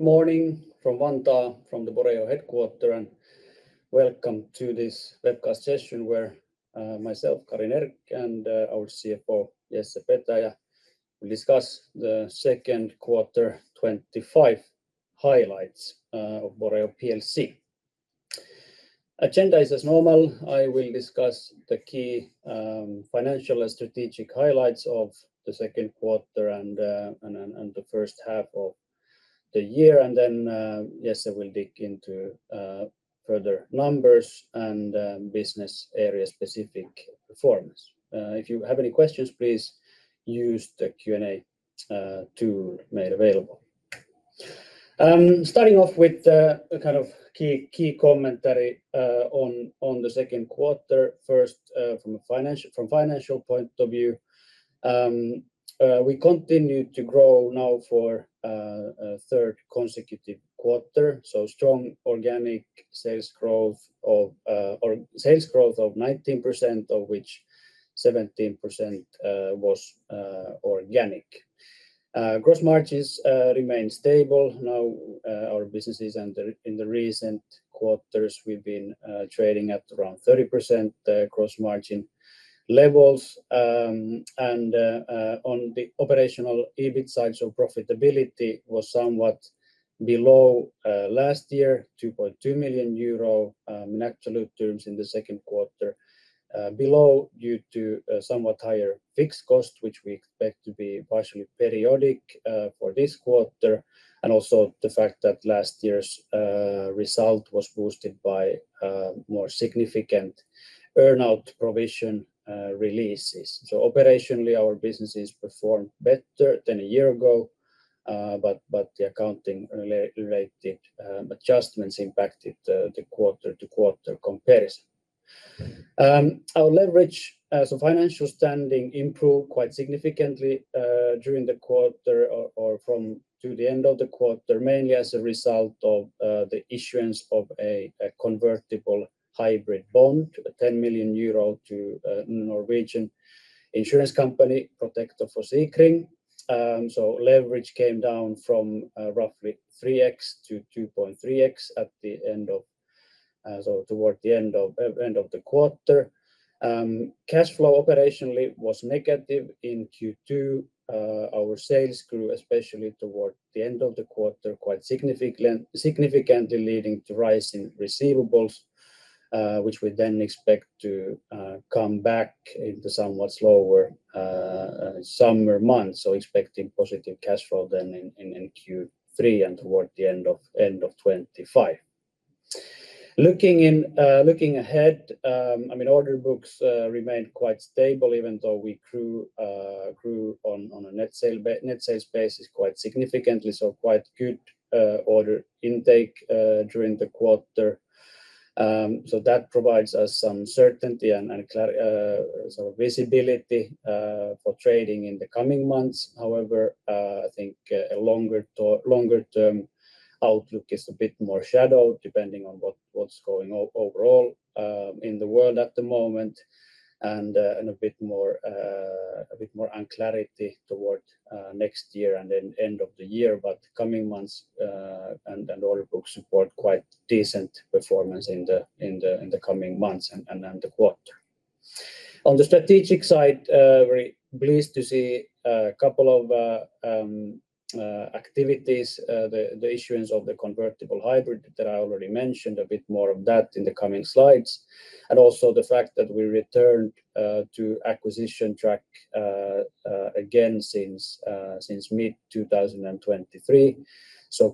Morning from Vantaa, from the Boreo headquarters. Welcome to this Webcast Session, where myself, Kari Nerg and our CFO, Jesse Petäjä, will discuss the Second Quarter 2025 Highlights of Boreo Plc. Agenda is as normal. I will discuss the key financial and strategic highlights of the second quarter and the first half of the year. Jesse will dig into further numbers and business area-specific performance. If you have any questions, please use the Q&A tool made available. Starting off with a key commentary on the second quarter. First, from a financial point of view, we continue to grow now for the third consecutive quarter, so strong organic sales growth of 19%, of which 17% was organic. Gross margins remain stable. Our businesses in the recent quarters, we've been trading at around 30% gross margin levels. On the operational EBIT side, so profitability was somewhat below last year, €2.2 million in absolute terms in the second quarter below due to somewhat higher fixed costs, which we expect to be partially periodic for this quarter. Also, the fact that last year's result was boosted by more significant burnout provision releases. Operationally, our businesses performed better than a year ago, but the accounting-related adjustments impacted the quarter-to-quarter comparison. Our leverage as a financial standing improved quite significantly during the quarter or to the end of the quarter, mainly as a result of the issuance of a convertible hybrid bond, €10 million to a Norwegian insurance company, Protector Forsikring. Leverage came down from roughly 3x-2.3x towards the end of the quarter. Cash flow operationally was negative in Q2. Our sales grew especially toward the end of the quarter quite significantly, leading to rising receivables, which we then expect to come back into somewhat slower summer months. Expecting positive cash flow then in Q3, and toward the end of 2025. Looking ahead, order books remained quite stable, even though we grew on a net sales basis quite significantly. Quite good order intake during the quarter, so that provides us some certainty and some visibility for trading in the coming months. However, I think a longer-term outlook is a bit more shadowed, depending on what's going on overall in the world at the moment, and a bit more unclarity toward next year and then end of the year. The coming months and order books support quite decent performance in the coming months and the quarter. On the strategic side, we're pleased to see a couple of activities. The issuance of the convertible hybrid, I already mentioned a bit more of that in the coming slides. Also, the fact that we returned to acquisition track again since mid-2023.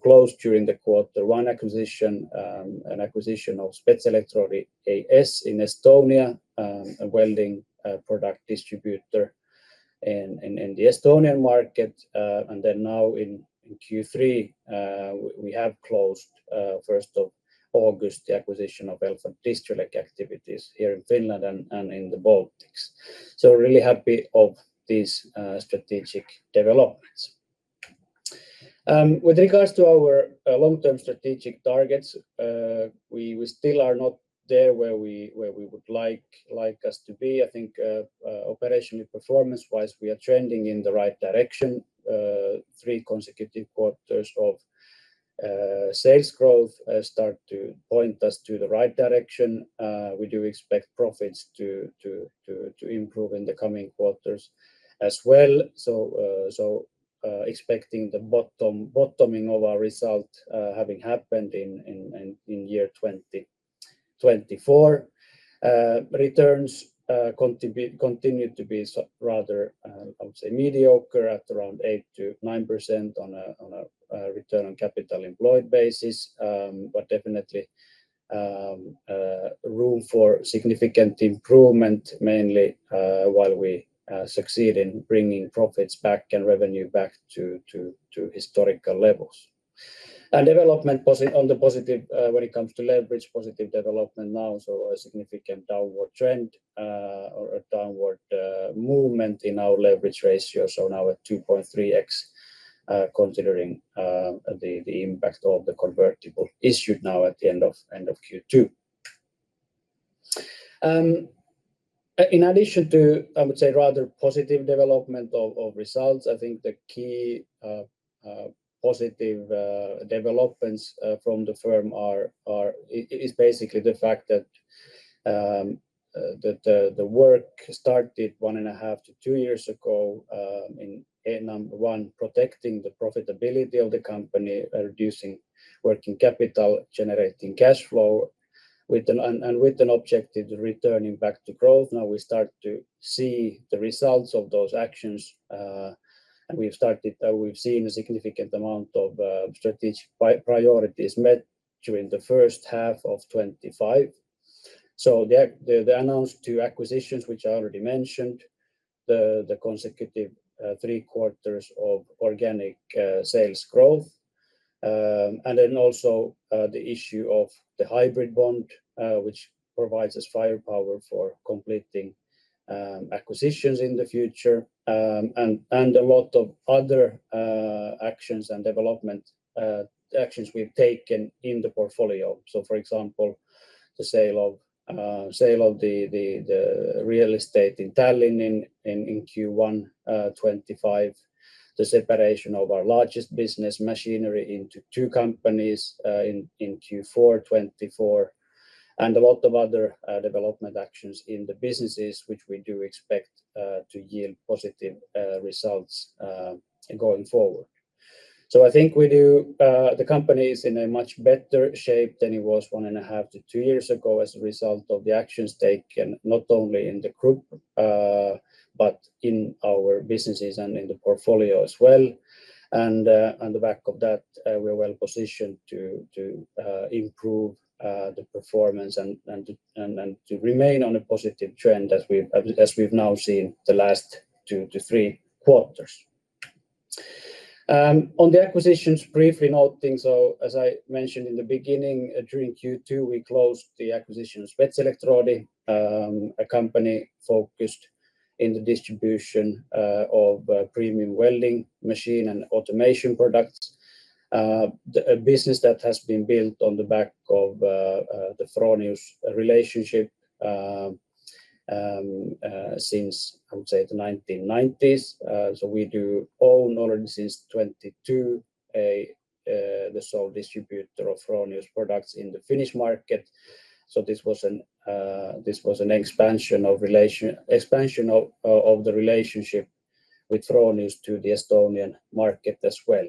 Closed during the quarter one acquisition, an acquisition of Spetselektroodi AS in Estonia, a welding product distributor in the Estonian market. Now in Q3, we have closed 1st of August, the acquisition of Elfa Distrelec activities here in Finland and in the Baltics. Really happy of these strategic developments. With regards to our long-term strategic targets, we still are not there where we would like us to be. I think operationally performance-wise, we are trending in the right direction. Three consecutive quarters of sales growth start to point us to the right direction. We do expect profits to improve in the coming quarters as well, so expecting the bottoming of our result, having happened in year 2024. Returns continue to be rather, I would say, mediocre at around 8%-9% on a return on capital employed basis. Definitely room for significant improvement, mainly while we succeed in bringing profits back and revenue back to historical levels. When it comes to leverage, positive development now, so a significant downward trend or a downward movement in our leverage ratio, so now at 2.3x, considering the impact of the convertible issued now at the end of Q2. In addition to, I would say rather positive development of results, I think the key positive developments from the firm is basically the fact that the work started one and a half to two years ago in number one, protecting the profitability of the company, reducing working capital, generating cash flow, and with an objective to returning back to growth. Now we start to see the results of those actions. We've seen a significant amount of strategic priorities met during the first half of 2025. The announced two acquisitions, which I already mentioned, the consecutive three quarters of organic sales growth and also the issue of the hybrid bond, which provides us firepower for completing acquisitions in the future and a lot of other actions and development, the actions we've taken in the portfolio. For example, the sale of the real estate in Tallinn in Q1 2025, the separation of our largest business machinery into two companies in Q4 2024 and a lot of other development actions in the businesses, which we do expect to yield positive results going forward. I think we know the company is in a much better shape than it was one and a half to two years ago as a result of the actions taken not only in the group, but in our businesses and in the portfolio as well. On the back of that, we're well positioned to improve the performance, and to remain on a positive trend as we've now seen the last two to three quarters. On the acquisitions briefing [outing], as I mentioned in the beginning, during Q2 we closed the acquisition of Spetselektroodi, a company focused in the distribution of premium welding machine and automation products. A business that has been built on the back of the Fronius relationship since, I would say, the 1990s. We do own already since 2022, the sole distributor of Fronius products in the Finnish market. This was an expansion of the relationship with Fronius to the Estonian market as well.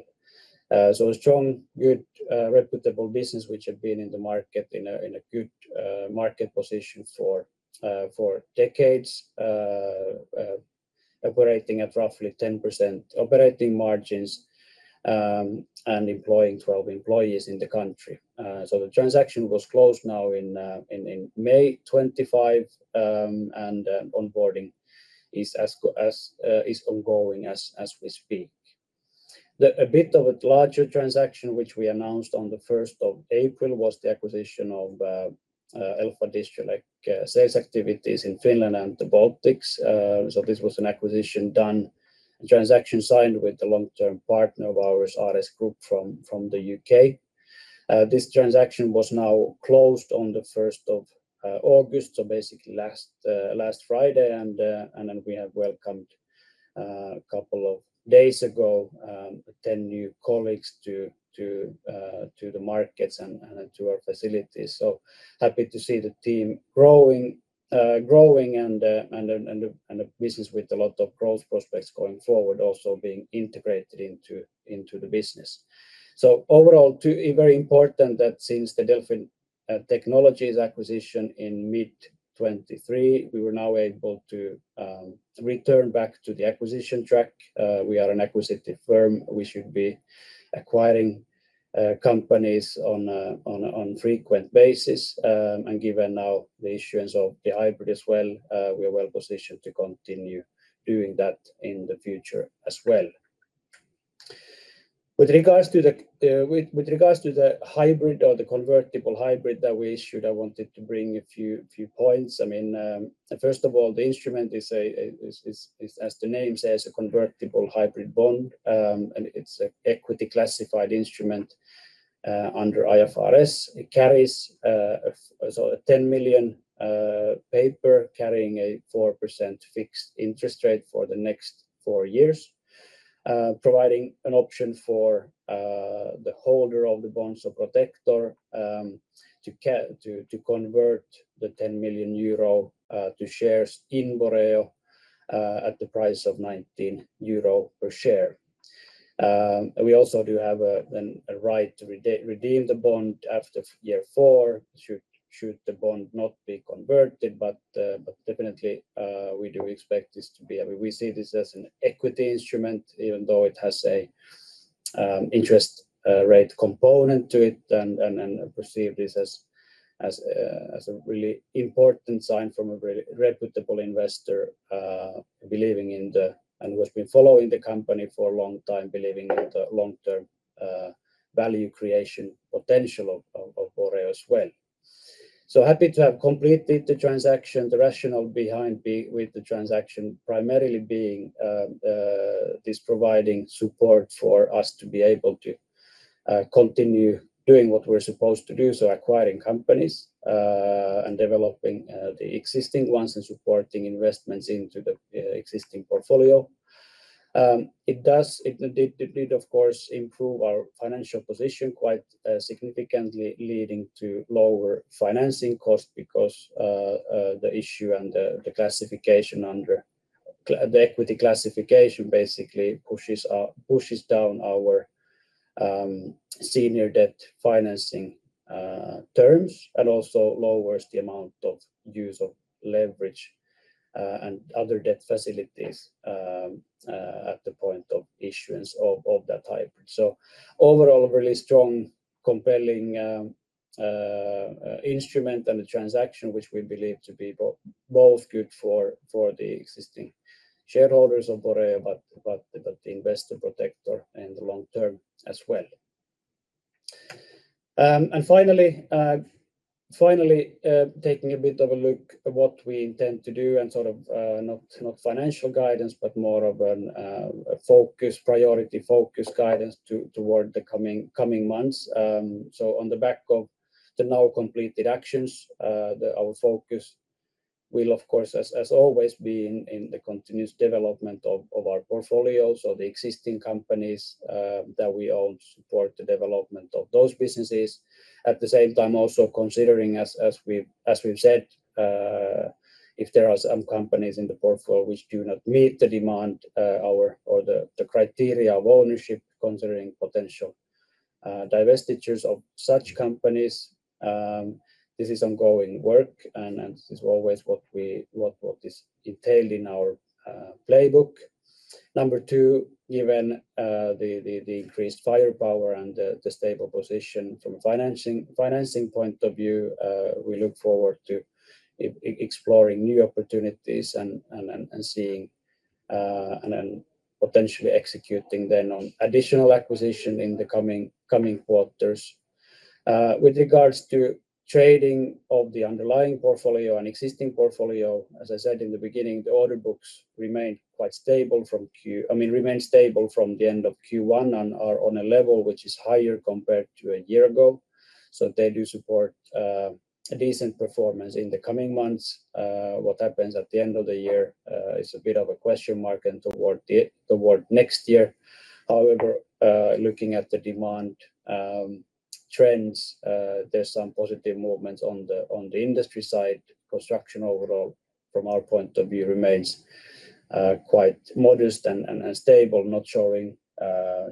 A strong, good, reputable business, which has been in the market in a good market position for decades, operating at roughly 10% operating margins and employing 12 employees in the country. The transaction was closed now in May 2025, and onboarding is ongoing as we speak. A bit of a larger transaction, which we announced on the 1st of April, was the acquisition of Elfa Distrelec sales activities in Finland and the Baltics. This was a transaction signed with the long-term partner of ours, RS Group, from the U.K. This transaction was now closed on the 1st of August, so basically last Friday. We have welcomed a couple of days ago, 10 new colleagues to the markets and to our facilities. Happy to see the team growing, and a business with a lot of growth prospects going forward also being integrated into the business. Overall, very important that since the Delfin Technologies acquisition in mid-2023, we were now able to return back to the acquisition track. We are an acquisitive firm. We should be acquiring companies on a frequent basis. Given now the issuance of the hybrid as well, we are well-positioned to continue doing that in the future as well. With regards to the hybrid or the convertible hybrid that we issued, I wanted to bring a few points. First of all, the instrument is, as the name says, a convertible hybrid bond. It's an equity-classified instrument under IFRS. It carries a €10 million paper, carrying a 4% fixed interest rate for the next four years, providing an option for the holder of the bonds, so Protector to convert the €10 million to shares in Boreo at the price of €19 per share. We also do have a right to redeem the bond after year four, should the bond not be converted. Definitely, we see this as an equity instrument, even though it has an interest rate component to it. I perceive this as a really important sign from a very reputable investor, and who has been following the company for a long time believing in the long-term value creation potential of Boreo as well. Happy to have completed the transaction, the rationale behind the transaction primarily being this providing support for us to be able to continue doing what we're supposed to do. Acquiring companies and developing the existing ones, and supporting investments into the existing portfolio. It did, of course, improve our financial position quite significantly, leading to lower financing costs because the issue and the equity classification basically pushes down our senior debt financing terms and also lowers the amount of use of leverage, and other debt facilities at the point of issuance of that type. Overall, a really strong compelling instrument and a transaction which we believe to be both good for the existing shareholders of Boreo, BUT the investor Protector and the long term as well. Finally, taking a bit of a look at what we intend to do and not financial guidance, but more of a priority focus guidance toward the coming months. On the back of the now completed actions, our focus will of course as always be in the continuous development of our portfolio. The existing companies that we own support the development of those businesses. At the same time, also considering, as we've said, if there are some companies in the portfolio which do not meet the demand or the criteria of ownership, considering potential divestitures of such companies., this is ongoing work and this is always what is detailed in our playbook. Number two, given the increased firepower and the stable position from a financing point of view, we look forward to exploring new opportunities and potentially executing then on additional acquisitions in the coming quarters. With regards to trading of the underlying portfolio and existing portfolio, as I said in the beginning, the order books remain quite stable from the end of Q1 and are on a level which is higher compared to a year ago. They do support a decent performance in the coming months. What happens at the end of the year is a bit of a question mark and toward next year. However, looking at the demand trends, there are some positive movements on the industry side. Construction overall, from our point of view, remains quite modest and stable, not showing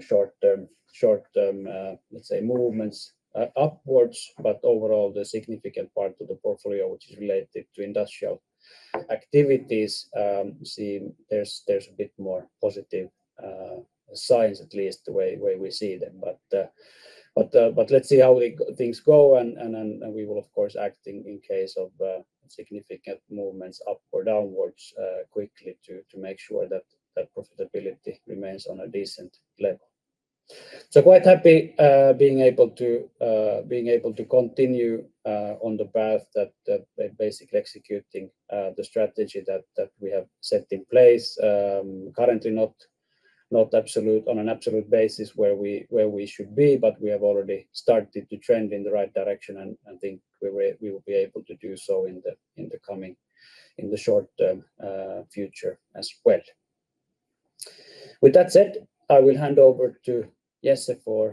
short-term, let's say movements upwards. Overall, the significant part of the portfolio, which is related to industrial activities, seems there's a bit more positive signs, at least the way we see them. Let's see how things go. We will of course act in case of significant movements up or downwards quickly, to make sure that profitability remains on a decent level. Quite happy being able to continue on the path, and basically executing the strategy that we have set in place. Currently, not on an absolute basis where we should be, but we have already started to trend in the right direction and think we will be able to do so in the short-term future as well. With that said, I will hand over to Jesse for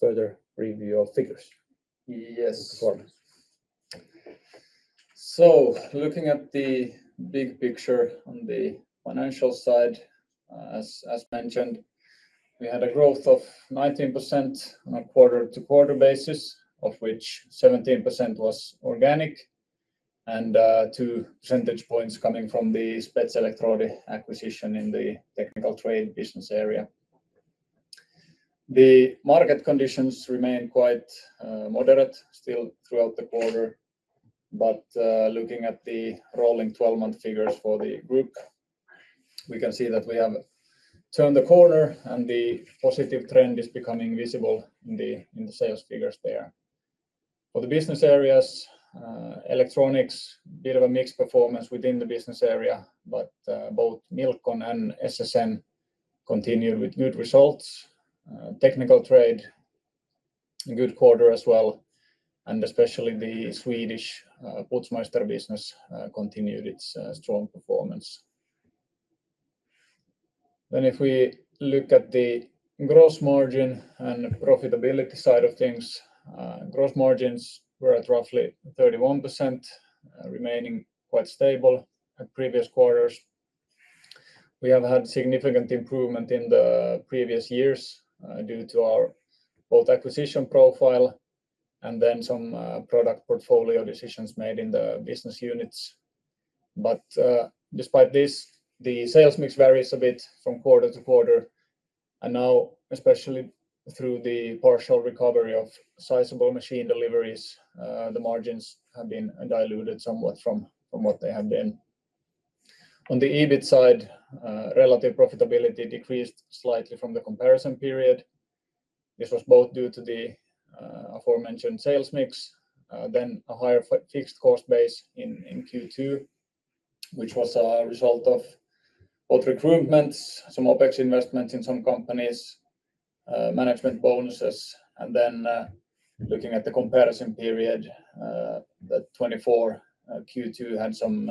further review of figures. Yes, sure. Looking at the big picture on the financial side, as mentioned, we had a growth of 19% on a quarter-to-quarter basis, of which 17% was organic and two percentage points coming from the Spetselektroodi acquisition in the technical trade business area. The market conditions remain quite moderate still throughout the quarter. Looking at the rolling 12-month figures for the group, we can see that we have turned the corner and the positive trend is becoming visible in the sales figures there. For the business areas, electronics, a bit of a mixed performance within the business area, but both Milcon and SSN continue with good results. Technical trade, a good quarter as well. Especially the Swedish Putzmeister business continued its strong performance. If we look at the gross margin and the profitability side of things, gross margins were at roughly 31%, remaining quite stable at previous quarters. We have had significant improvement in the previous years, due to our both acquisition profile and then some product portfolio decisions made in the business units. Despite this, the sales mix varies a bit from quarter-to-quarter. Now, especially through the partial recovery of sizable machine deliveries, the margins have been diluted somewhat from what they had been. On the EBIT side, relative profitability decreased slightly from the comparison period. This was both due to the aforementioned sales mix, then a higher fixed cost base in Q2 which was a result of both recruitments, some OpEx investments in some companies, management bonuses. Looking at the comparison period, the 2024 Q2 had some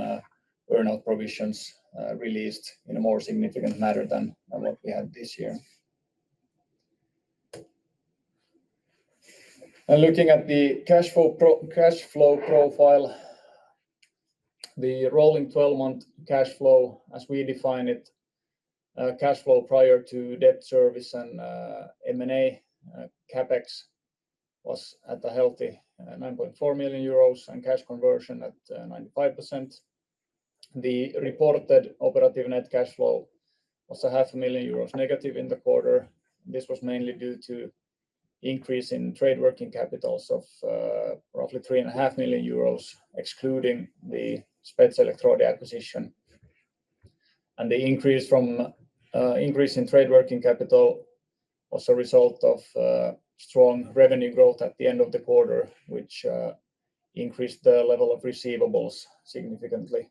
burnout provisions releases in a more significant manner than what we had this year. Looking at the cash flow profile, the rolling 12-month cash flow as we define it, cash flow prior to debt service and M&A, CapEx was at a healthy €9.4 million and cash conversion at 95%. The reported operative net cash flow was €-0.5 million in the quarter. This was mainly due to an increase in trade working capitals of roughly €3.5 million, excluding the Spetselektroodi acquisition. The increase in trade working capital was a result of strong revenue growth at the end of the quarter, which increased the level of receivables significantly.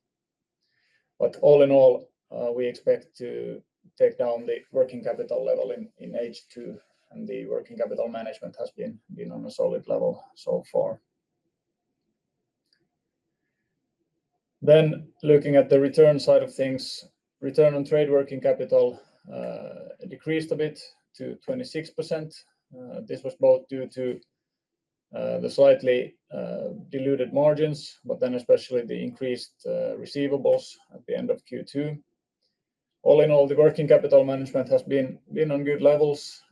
All in all, we expect to take down the working capital level in H2, and the working capital management has been on a solid level so far. Looking at the return side of things, return on trade working capital decreased a bit to 26%. This was both due to the slightly diluted margins, but then especially the increased receivables at the end of Q2. All in all, the working capital management has been on good levels.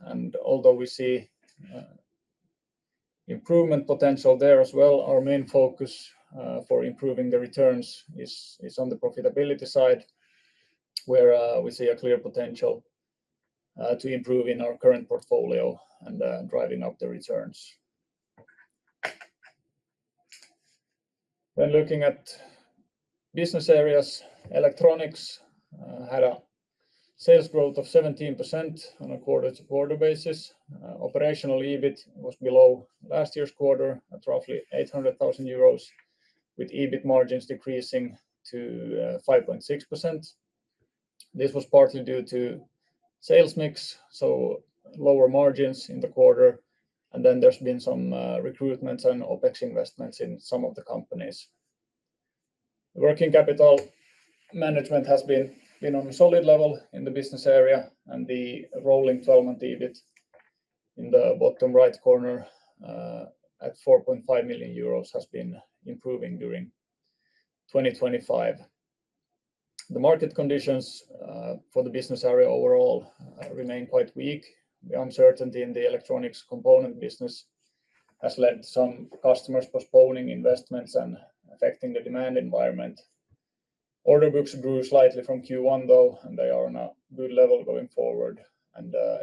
Although we see improvement potential there as well, our main focus for improving the returns is on the profitability side, where we see a clear potential to improve in our current portfolio and driving up the returns. When looking at business areas, electronics had a sales growth of 17% on a quarter-to-quarter basis. Operational EBIT was below last year's quarter at roughly €800,000, with EBIT margins decreasing to 5.6%. This was partly due to sales mix, so lower margins in the quarter. There has been some recruitment and OpEx investments in some of the companies. Working capital management has been on a solid level in the business area. The rolling 12-month EBIT in the bottom right corner at €4.5 million has been improving during 2025. The market conditions for the business area overall remain quite weak. The uncertainty in the electronics component business has led to some customers postponing investments and affecting the demand environment. Order books grew slightly from Q1 though, and they are on a good level going forward.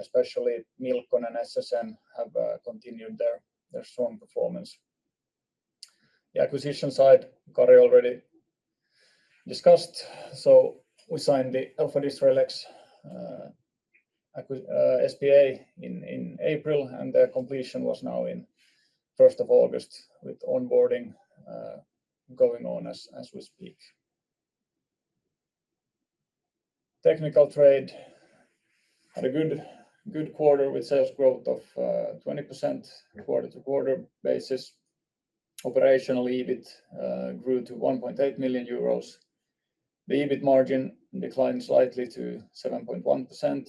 Especially Milcon and SSN have continued their strong performance. The acquisition side, Kari already discussed, so we signed the Elfa Distrelec SPA in April and the completion was now on 1st of August, with onboarding going on as we speak. Technical trade had a good quarter with sales growth of 20% on a quarter-to-quarter basis. Operational EBIT grew to €1.8 million. The EBIT margin declined slightly to 7.1%.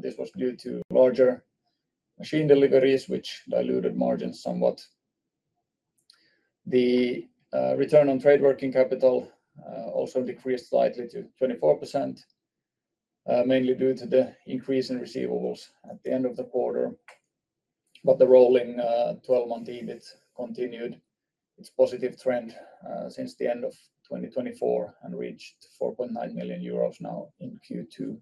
This was due to larger machine deliveries, which diluted margins somewhat. The return on trade working capital also decreased slightly to 24%, mainly due to the increase in receivables at the end of the quarter. The rolling 12-month EBIT continued its positive trend since the end of 2024 and reached €4.9 million now in Q2.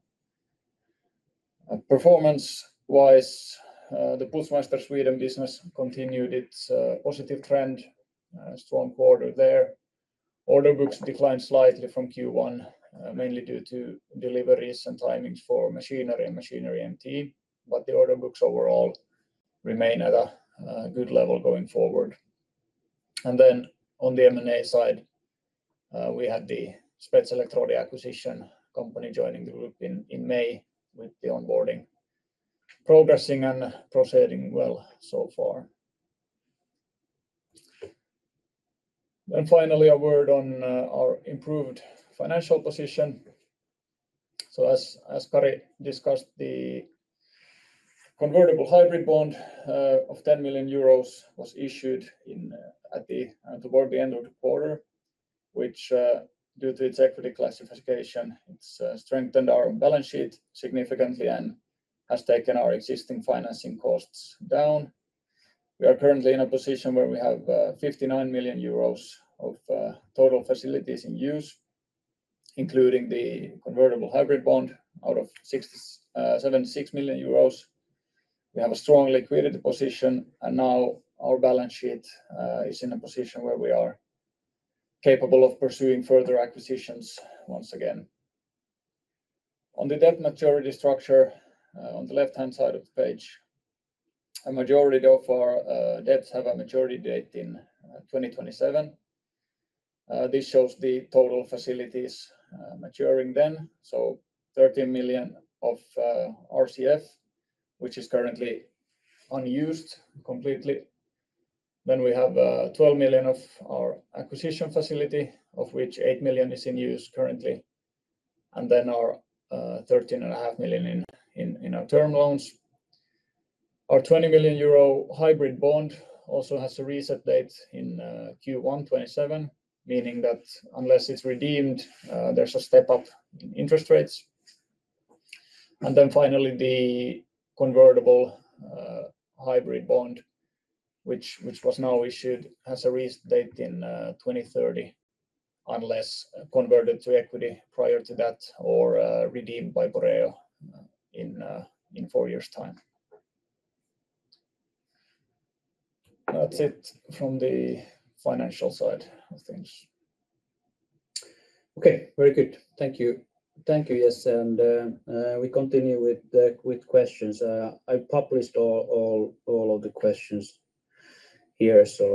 Performance-wise, the Putzmeister Sweden business continued its positive trend, a strong quarter there. Order books declined slightly from Q1, mainly due to deliveries and timings for machinery and machinery emptying. The order books overall remain at a good level going forward. On the M&A side, we had the Spetselektroodi acquisition company joining the group in May with the onboarding, progressing and proceeding well so far. Finally, a word on our improved financial position. As Kari discussed, the convertible hybrid bond of €10 million was issued toward the end of the quarter, which due to its equity classification, strengthened our balance sheet significantly and has taken our existing financing costs down. We are currently in a position where we have €59 million of total facilities in use, including the convertible hybrid bond out of €76 million. We have a strong liquidity position, and now our balance sheet is in a position where we are capable of pursuing further acquisitions once again. On the debt maturity structure, on the left-hand side of the page, a majority of our debts have a maturity date in 2027. This shows the total facilities maturing then, so €13 million of RCF, which is currently unused completely. We have €12 million of our acquisition facility, of which €8 million is in use currently, and then our €13.5 million in our term loans. Our €20 million hybrid bond also has a reset date in Q1 2027, meaning that unless it's redeemed, there's a step up in interest rates. Finally, the convertible hybrid bond, which was now issued has a reset date in 2030, unless converted to equity prior to that or redeemed by Boreo in four years' time. That's it from the financial side, I think. Thanks. Okay. Very good. Thank you, Jesse. We continue with the quick questions. I published all of the questions here, so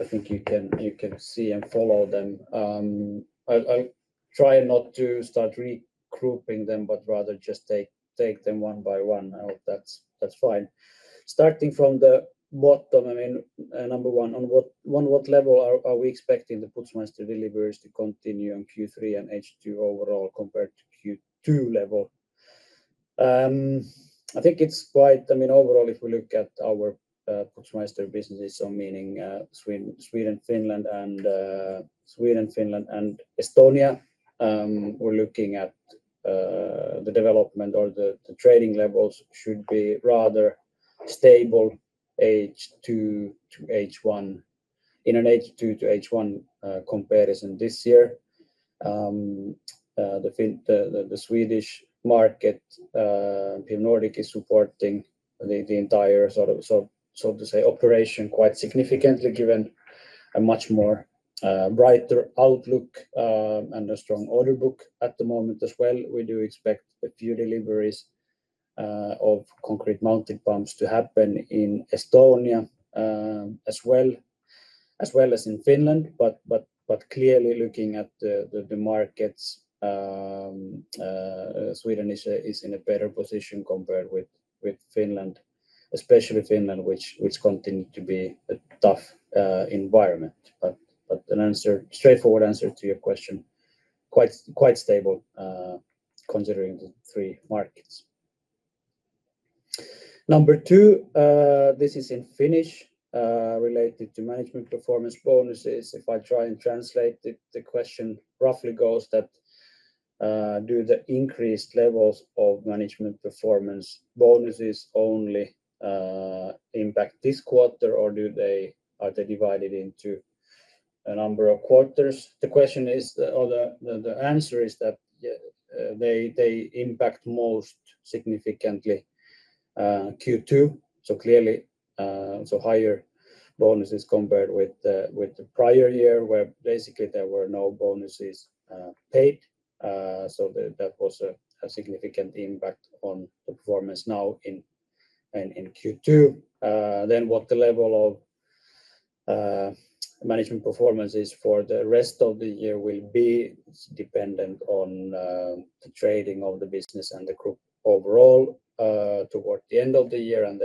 I think you can see and follow them. I'll try not to start regrouping them, but rather just take them one by one. I hope that's fine. Starting from the bottom, number one, on what level are we expecting the Putzmeister deliveries to continue in Q3 and H2 overall compared to Q2 level? I think overall, if we look at our Putzmeister business, meaning Sweden, Finland, and Estonia, we're looking at the development or the trading levels should be rather stable H2 to H1. In an H2 to H1 comparison this year, the Swedish market, PIM Nordic is supporting the entire, so to say, operation quite significantly given a much more brighter outlook and a strong order book at the moment as well. We do expect a few deliveries of concrete-mounted pumps to happen in Estonia as well as in Finland. Clearly, looking at the markets, Sweden is in a better position compared with Finland, especially Finland, which continues to be a tough environment. A straightforward answer to your question, quite stable considering the three markets. Number two, this is in Finnish, related to management performance bonuses. If I try and translate, the question roughly goes that, do the increased levels of management performance bonuses only impact this quarter, or are they divided into a number of quarters? The answer is that they impact most significantly Q2. Clearly, higher bonuses compared with the prior year where basically there were no bonuses paid. That was a significant impact on the performance now in Q2. What the level of management performance for the rest of the year will be, it's dependent on the trading of the business and the group overall toward the end of the year, and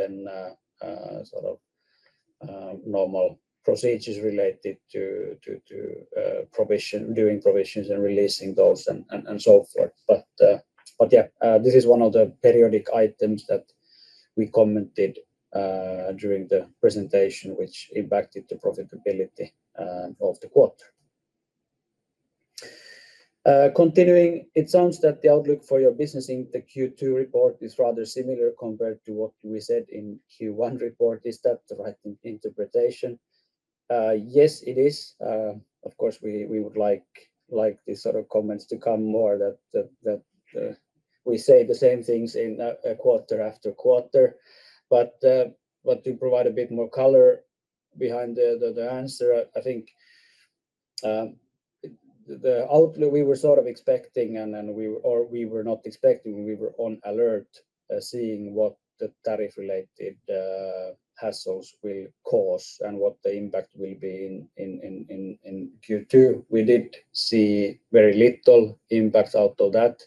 normal procedures related to doing provisions and releasing those and so forth. This is one of the periodic items that we commented during the presentation, which impacted the profitability of the quarter. Continuing, it sounds that the outlook for your business in the Q2 report is rather similar compared to what we said in the Q1 report. Is that the right interpretation? Yes, it is. Of course, we would like these comments to come more, that we say the same things quarter after quarter. To provide a bit more color behind the answer, I think the outlook we were sort of expecting, and we were not expecting, we were on alert, seeing what the tariff-related hassles will cause and what the impact will be in Q2. We did see very little impact out of that.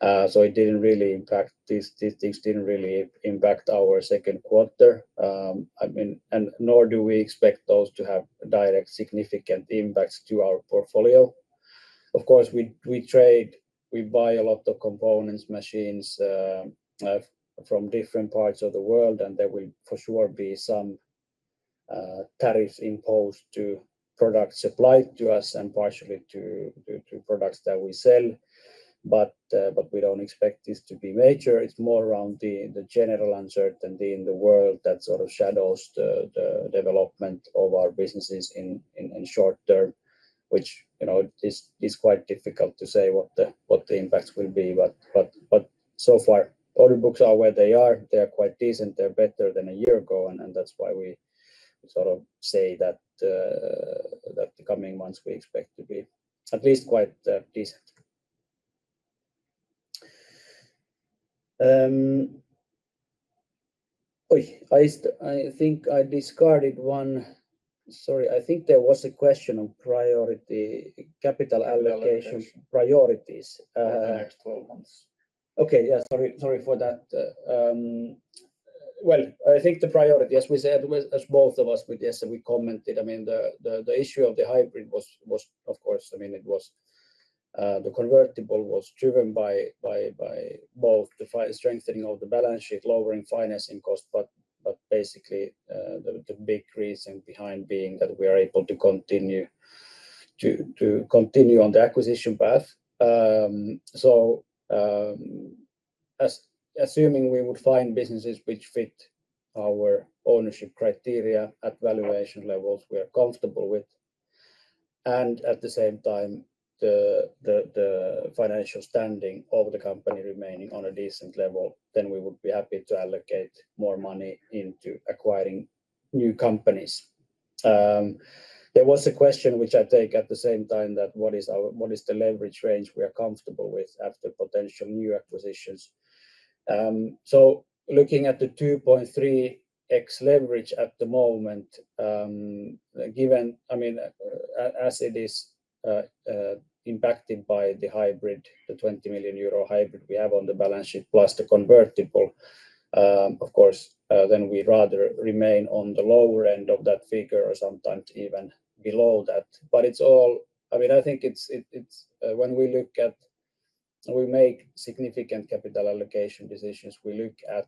It didn't really impact these things, didn't really impact our second quarter and nor do we expect those to have direct significant impacts to our portfolio. Of course, we buy a lot of components, machines from different parts of the world, and there will for sure be some tariffs imposed to products supplied to us and partially to products that we sell. We don't expect this to be major. It's more around the general uncertainty in the world that of shadows the development of our businesses in short term, which is quite difficult to say what the impacts will be. So far, order books are where they are. They are quite decent. They're better than a year ago. That's why we say that the coming months, we expect to be at least quite decent. I think I discarded one. Sorry, I think there was a question on capital allocations priorities. In the next 12 months. Okay, yes. Sorry for that. I think the priority, as we said both of us, but yes, we commented, the issue of the hybrid, the convertible was driven by both the strengthening of the balance sheet, lowering financing costs. Basically, the big reason behind being that we are able to continue on the acquisition path. Assuming we would find businesses which fit our ownership criteria at valuation levels we are comfortable with, and at the same time, the financial standing of the company remaining on a decent level, then we would be happy to allocate more money into acquiring new companies. There was a question, which I take at the same time, that what is the leverage range we are comfortable with after potential new acquisitions? Looking at the 2.3x leverage at the moment, as it is impacted by the hybrid, the €20 million hybrid we have on the balance sheet plus the convertible, of course then we rather remain on the lower end of that figure or sometimes even below that. I think when we make significant capital allocation decisions, we look at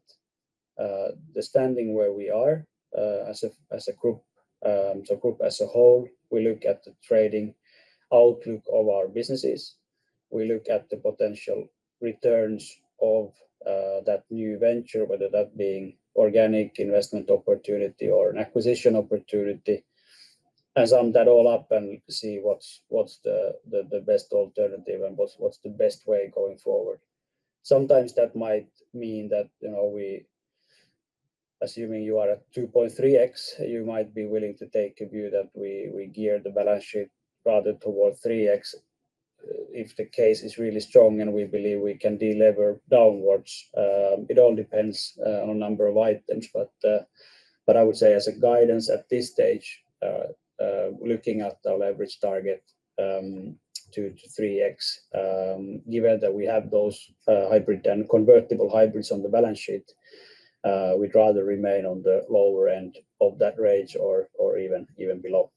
the standing where we are as a group. A group as a whole, we look at the trading outlook of our businesses. We look at the potential returns of that new venture, whether that being organic investment opportunity or an acquisition opportunity. Sum that all up and see what's the best alternative, and what's the best way going forward. Sometimes that might mean that, assuming you are at 2.3x, you might be willing to take a view that we gear the balance sheet rather toward 3x, if the case is really strong and we believe we can deliver downwards. It all depends on a number of items. I would say as a guidance at this stage, looking at our leverage target 2x-3x, given that we have those hybrid and convertible hybrids on the balance sheet, we'd rather remain on the lower end of that range or even below.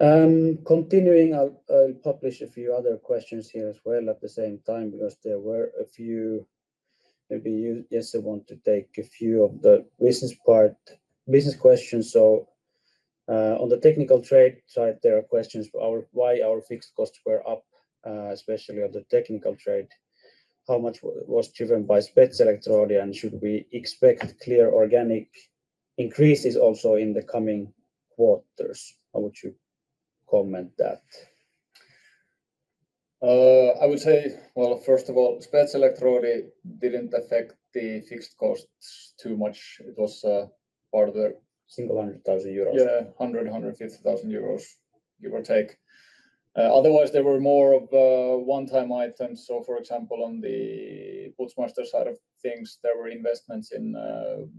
Continuing, I'll publish a few other questions here as well at the same time, maybe I just want to take a few of the business questions. On the technical trade side, there are questions for why our fixed costs were up, especially on the technical trade. How much was driven by Spetselektroodi? Should we expect clear organic increases also in the coming quarters? How would you comment on that? I would say, first of all, Spetselektroodi didn't affect the fixed costs too much. It was. Single €100,000. Yeah, €100,000, €150,000, give or take. Otherwise, there were more of one-time items. For example, on the Putzmeister side of things, there were investments in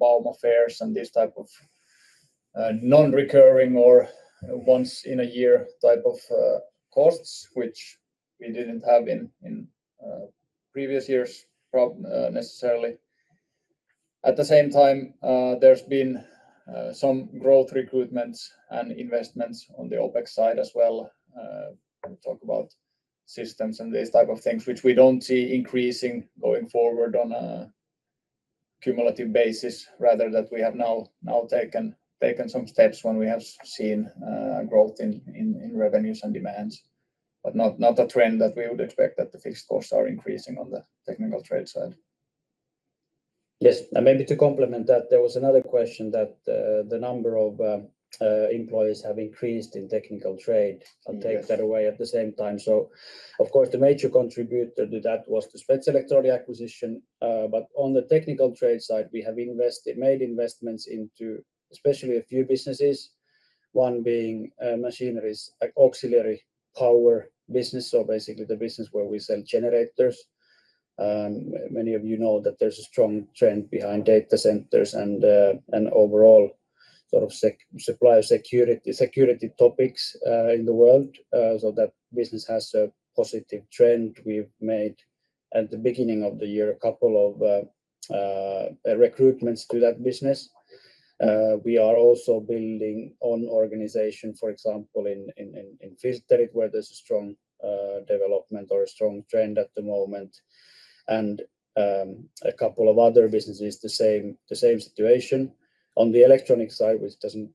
bauma Fairs and this type of non-recurring or once-in-a-year type of costs, which we didn't have in previous years necessarily. At the same time, there's been some growth recruitments and investments on the OPEX side as well. We talk about systems and these types of things, which we don't see increasing going forward on a cumulative basis, rather that we have now taken some steps when we have seen growth in revenues and demands, but not a trend that we would expect that the fixed costs are increasing on the technical trade side. Yes. Maybe to complement that, there was another question, that the number of employees have increased in technical trade and take that away at the same time. Of course, the major contributor to that was the Spetselektroodi acquisition. On the technical trade side, we have made investments into especially a few businesses, one being machineries, auxiliary power business. Basically, the business where we sell generators. Many of you know that there's a strong trend behind data centers, and overall supplier security topics in the world. That business has a positive trend. We've made at the beginning of the year, a couple of recruitments to that business. We are also building an organization, for example, in Filterit, where there's a strong development or a strong trend at the moment. A couple of other businesses, the same situation. On the electronics side, which doesn't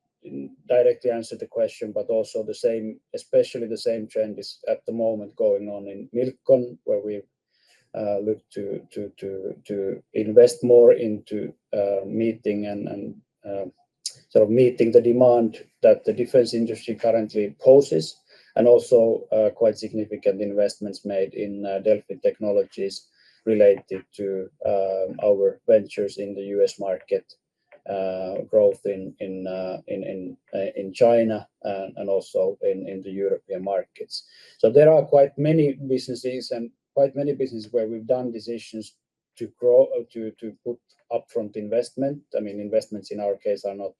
directly answer the question, but also the same, especially the same trend is, at the moment going on in Milcon, where we look to invest more into meeting the demand that the defense industry currently poses. Also, quite significant investments made in Delfin Technologies related to our ventures in the U.S. market, growth in China and also in the European markets. There are quite many businesses, and quite many businesses where we've done decisions to grow or to put upfront investment. Investments in our case are not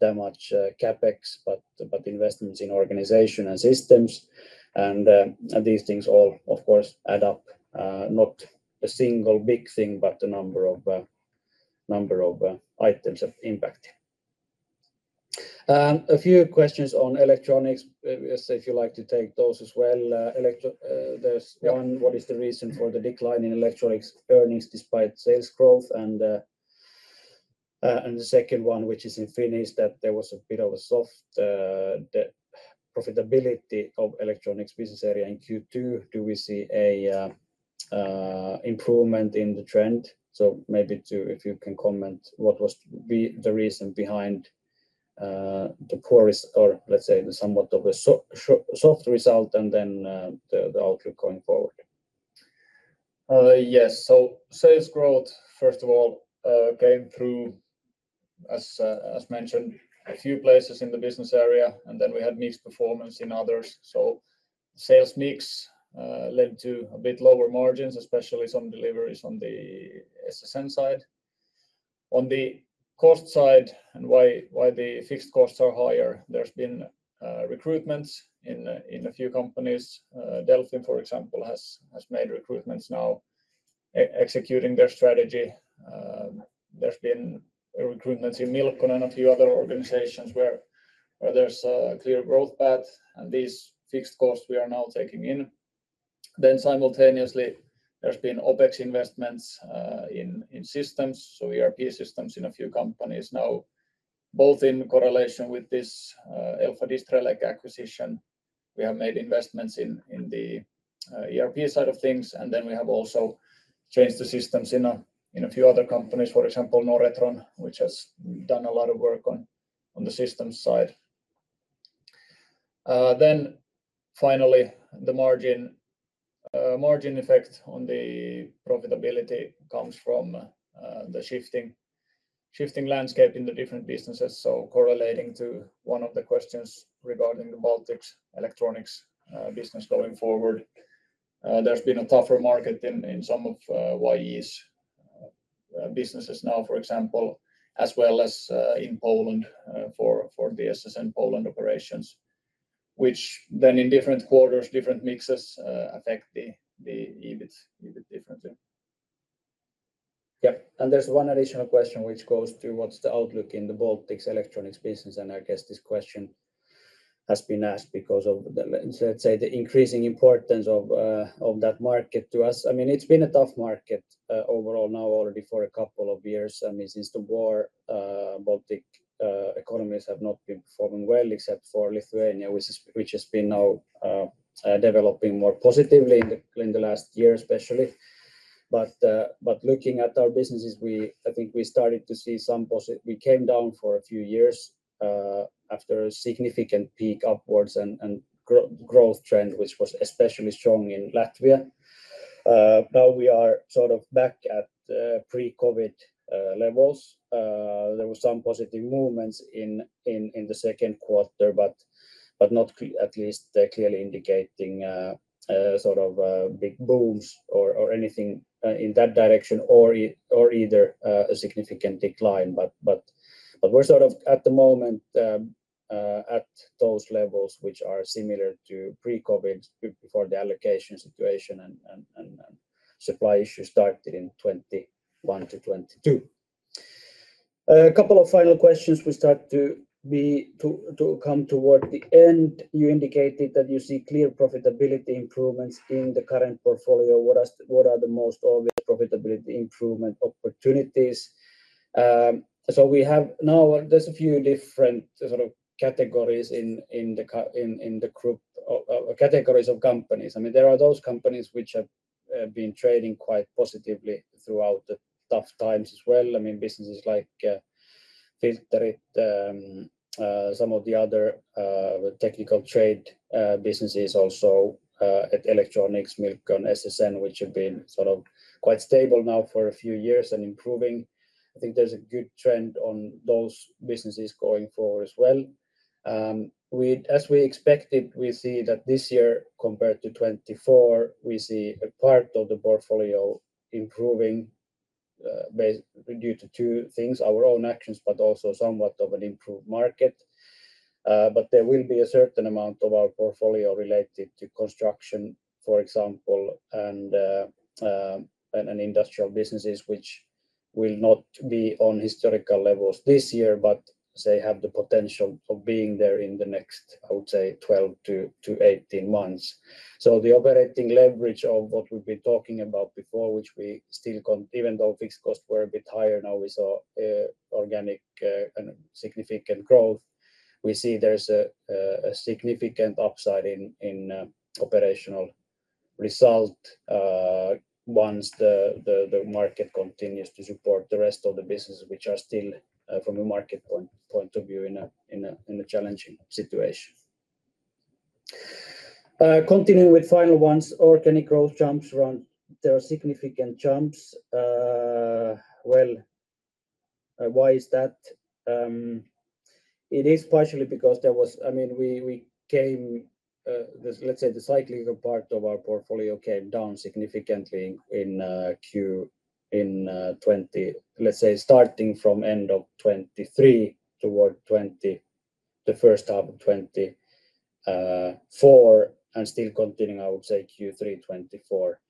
that much CapEx, but investments in organization and systems. These things all of course add up. Not a single big thing, but a number of items of impact. A few questions on electronics. Jesse, if you'd like to take those as well. There's one, what is the reason for the decline in electronics earnings despite sales growth? The second one, which is in Finnish, that there was a bit of a soft profitability of electronics business area in Q2. Do we see an improvement in the trend? Maybe if you can comment, what was the reason behind the poorest or let's say the somewhat of a soft result, and then the outlook going forward. Yes. Sales growth first of all came through, as mentioned, a few places in the business area and then we had mixed performance in others. Sales mix led to a bit lower margins, especially some deliveries on the SSN side. On the cost side, and why the fixed costs are higher, there's been recruitments in a few companies. Delfin, for example, has made recruitments now, executing their strategy. There's been recruitments in Milcon, and a few other organizations where there's a clear growth path. These fixed costs, we are now taking in. Simultaneously, there's been OpEx investments in systems, so ERP systems in a few companies now, both in correlation with this Elfa Distrelec acquisition. We have made investments in the ERP side of things, and then we have also changed the systems in a few other companies, for example, Noretron, which has done a lot of work on the systems side. Finally, the margin effect on the profitability comes from the shifting landscape in the different businesses. Correlating to one of the questions regarding the Baltics electronics business going forward, there's been a tougher market in some of businesses now, for example, as well as in Poland for the SSN Poland operations, which in different quarters, different mixes affect the EBITs differently. Yeah. There's one additional question, which goes to, what's the outlook in the Baltics electronics business? I guess this question has been asked because let's say the increasing importance of that market to us. It's been a tough market overall now already for a couple of years. Since the war, Baltic economies have not been performing well, except for Lithuania, which has been developing more positively in the last year, especially. Looking at our businesses, I think we came down for a few years after a significant peak upwards and growth trend, which was especially strong in Latvia. Now we are back at pre-COVID levels. There were some positive movements in the second quarter, but not at least clearly indicating big booms or anything in that direction or a significant decline. We're at the moment, at those levels which are similar to pre-COVID before the allocation situation and supply issues started in 2021-2022. A couple of final questions to start to come toward the end. You indicated that you see clear profitability improvements in the current portfolio. What are the most obvious profitability improvement opportunities? We have now just a few different categories of companies. There are those companies which have been trading quite positively throughout the tough times as well. Businesses like Filterit, some of the other technical trade businesses also at Electronics, Milcon, SSN, which have been quite stable now for a few years and improving, I think there's a good trend on those businesses going forward as well. As we expected, we see that this year, compared to 2024, we see a part of the portfolio improving due to two things, our own actions, but also somewhat of an improved market. There will be a certain amount of our portfolio related to construction, for example, and industrial businesses, which will not be on historical levels this year, but they have the potential of being there in the next, I would say, 12 months-18 months. The operating leverage of what we've been talking about before, which even though fixed costs were a bit higher, now we saw organic and significant growth, we see there's a significant upside in operational result once the market continues to support the rest of the businesses, which are still, from a market point of view, in a challenging situation. Continuing with final ones, organic growth chunks run. There are significant chunks. Why is that? It is partially because let's say the cyclical part of our portfolio came down significantly starting from end of 2023 toward the first half of 2024, and still continuing, I would say, Q3 2024.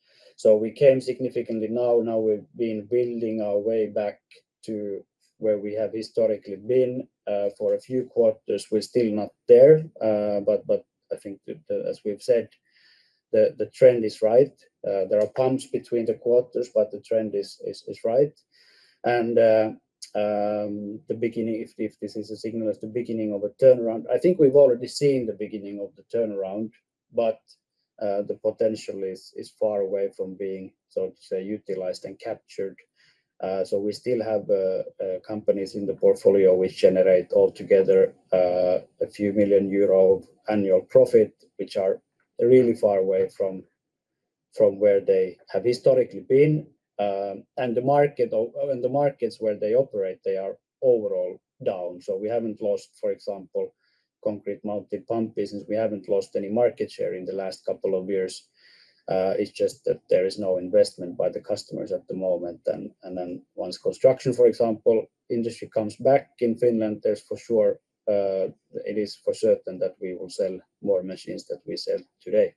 We came down significantly. Now we've been building our way back to where we have historically been for a few quarters. We're still not there. I think as we've said, the trend is right. There are bumps between the quarters, but the trend is right. I think we've already seen the beginning of the turnaround, but the potential is far away from being, so to say, utilized and captured. We still have companies in the portfolio which generate altogether a few million euros of annual profit, which are really far away from where they have historically been. The markets where they operate, are overall down. We haven't lost, for example, concrete mounted-pump business. We haven't lost any market share in the last couple of years. It's just that there is no investment by the customers at the moment. Once construction, for example, industry comes back in Finland, it is for certain that we will sell more machines than we sell today.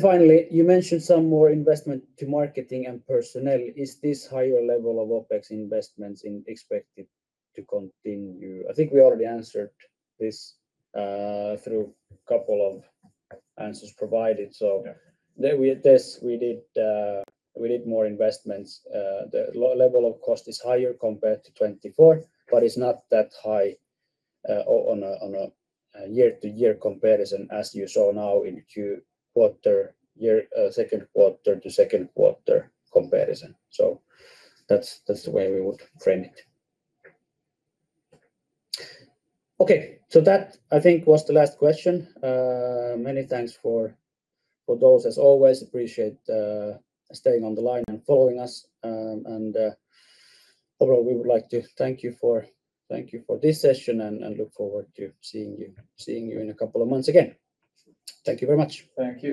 Finally, you mentioned some more investment to marketing and personnel. Is this higher level of OpEx investments expected to continue? I think we already answered this through a couple of answers provided. With this, we did more investments. The level of cost is higher compared to 2024, but it's not that high on a year-to-year comparison as you saw now in the second quarter to second quarter comparison. That's the way we would frame it. That, I think was the last question. Many thanks for those, as always. Appreciate staying on the line and following us. Overall, we would like to thank you for this session and look forward to seeing you in a couple of months again. Thank you very much. Thank you.